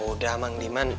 udah mang diman